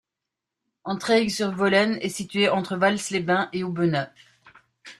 Antraigues-sur-Volane est située à de Vals-les-Bains et d’Aubenas.